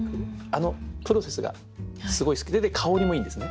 あのプロセスがすごい好きで香りもいいんですね。